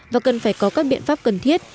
và cần phải có các biện pháp cần thiết